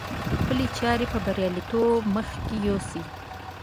خپلې چارې په برياليتوب مخکې يوسي.